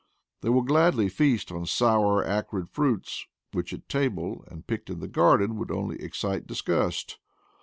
They will gladly feast on sour, acrid fruits, which at table, and picked in the garden, would only excite disgust.